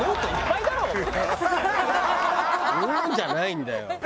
「うーん」じゃないんだよ。